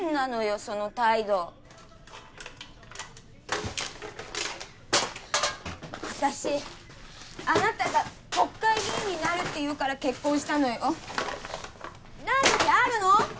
その態度私あなたが国会議員になるっていうから結婚したのよなる気あるの？